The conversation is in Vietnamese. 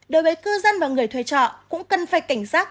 đối với cư dân và người thuê trọ cũng cần phải cảnh giác